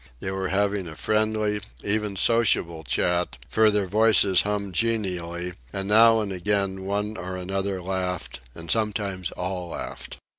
They were having a friendly, even sociable chat, for their voices hummed genially, and now and again one or another laughed, and sometimes all laughed.